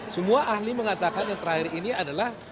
semua ahli mengatakan yang terakhir ini adalah